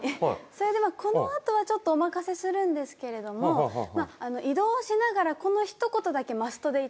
それでこのあとはちょっとお任せするんですけれども移動しながらこのひと言だけマストで頂きたくって。